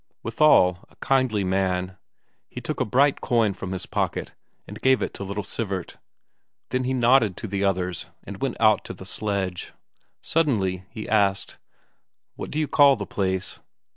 Withal a kindly man; he took a bright coin from his pocket and gave it to little Sivert; then he nodded to the others and went out to the sledge. Suddenly he asked: "What do you call the place?"